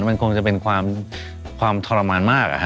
มันคงจะเป็นความทรมานมาก